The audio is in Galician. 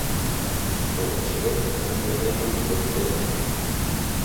Cando cheguei, a miña nai non me coñeceu.